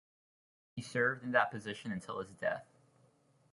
He served in that position until his death.